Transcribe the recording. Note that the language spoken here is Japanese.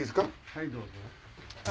はいどうぞ。